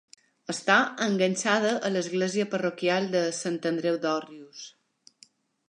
Està enganxada a l'església parroquial de Sant Andreu d'Òrrius.